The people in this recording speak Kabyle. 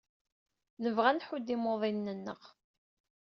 Nebɣa ad nḥudd imuḍinen-nneɣ.